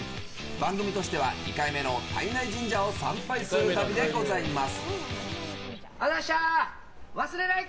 番組としては２回目の胎内神社を参拝する旅でございます。